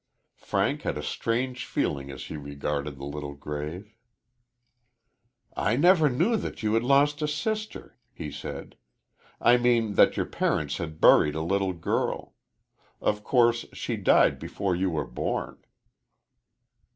Frank had a strange feeling as he regarded the little grave. "I never knew that you had lost a sister," he said. "I mean that your parents had buried a little girl. Of course, she died before you were born."